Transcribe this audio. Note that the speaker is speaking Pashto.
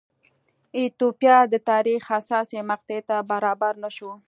ایتوپیا د تاریخ حساسې مقطعې ته برابر نه شو.